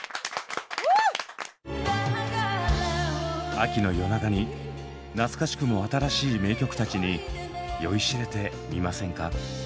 秋の夜長に懐かしくも新しい名曲たちに酔いしれてみませんか？